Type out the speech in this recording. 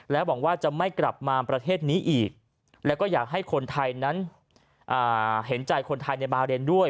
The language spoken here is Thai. หวังว่าจะไม่กลับมาประเทศนี้อีกแล้วก็อยากให้คนไทยนั้นเห็นใจคนไทยในบาเรนด้วย